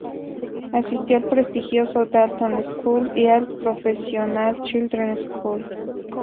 Asistió al prestigioso Dalton School y al Professional Children School.